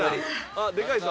「あっでかい人」